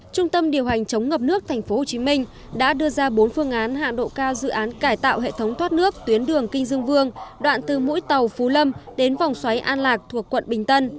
trung tâm điều hành chống ngập nước tp hcm đã đưa ra bốn phương án hạng độ cao dự án cải tạo hệ thống thoát nước tuyến đường kinh dương vương đoạn từ mũi tàu phú lâm đến vòng xoáy an lạc thuộc quận bình tân